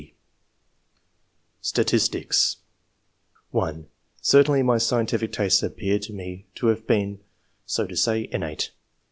(c, d) STATISTICS. (1) *' Certainly my scientific tastes appear to me to have been, so to say, innate."